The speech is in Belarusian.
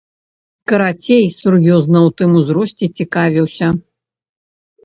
Карацей, сур'ёзна ў тым узросце цікавіўся.